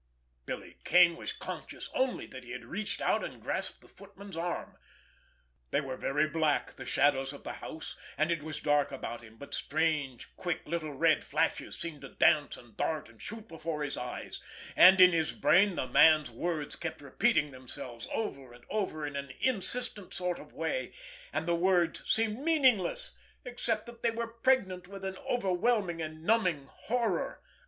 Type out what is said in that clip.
Billy Kane was conscious only that he had reached out and grasped the footman's arm. They were very black, the shadows of the house, and it was dark about him, but strange quick little red flashes seemed to dance and dart and shoot before his eyes; and in his brain the man's words kept repeating themselves over and over in an insistent sort of way, and the words seemed meaningless except that they were pregnant with an overwhelming and numbing horror.